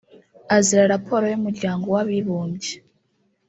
azira raporo y’ Umuryango w’ Abibumbye